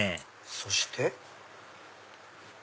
そして。